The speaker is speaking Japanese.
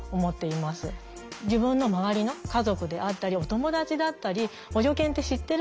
自分の周りの家族であったりお友達だったり補助犬って知ってる？